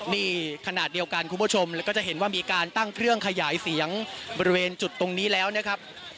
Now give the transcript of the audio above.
นี่ขณะเดียวกันคุณผู้ชมแล้วก็จะเห็นว่ามีการตั้งเครื่องขยายเสียงบริเวณจุดตรงนี้แล้วนะครับ